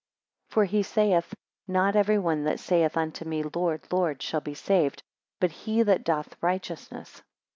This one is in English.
For he saith: Not everyone that saith unto me Lord, Lord, shall be saved, but he that doth righteousness.